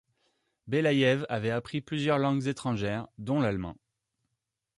Belaïev avait appris plusieurs langues étrangères, dont l'allemand.